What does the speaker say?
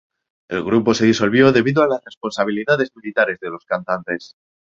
El grupo se disolvió debido a las responsabilidades militares de los cantantes.